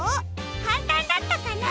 かんたんだったかな？